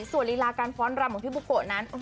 ส่วนลีลาการฟ้อนรำของพี่บุโกะนั้น